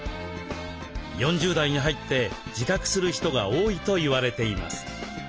４０代に入って自覚する人が多いと言われています。